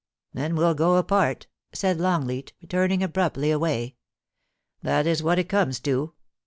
*Then we'll go apart,' said Longleat, turning abruptly away. ' That is what it comes to